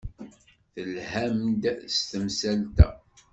Telham-d s temsalt-a.